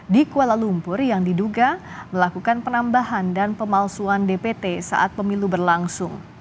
di kuala lumpur yang diduga melakukan penambahan dan pemalsuan dpt saat pemilu berlangsung